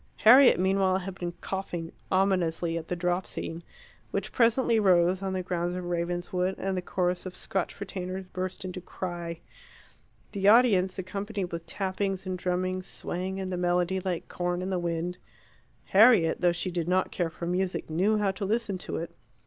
Harriet, meanwhile, had been coughing ominously at the drop scene, which presently rose on the grounds of Ravenswood, and the chorus of Scotch retainers burst into cry. The audience accompanied with tappings and drummings, swaying in the melody like corn in the wind. Harriet, though she did not care for music, knew how to listen to it.